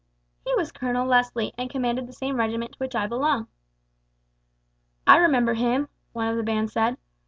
"He was Colonel Leslie, and commanded the same regiment to which I belong." "I remember him," one of the band said.